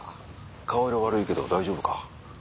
顔色悪いけど大丈夫か？